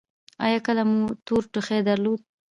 ایا کله مو تور ټوخی درلود؟